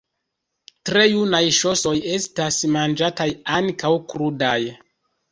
Tre junaj ŝosoj estas manĝataj ankaŭ krudaj.